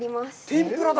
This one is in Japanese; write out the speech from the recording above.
天ぷらだ。